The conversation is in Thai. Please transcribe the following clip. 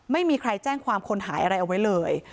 ไม่มีใครแจ้งความคนหายอะไรเอาไว้เลย